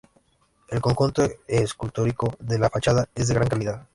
El conjunto escultórico de la fachada es de gran calidad.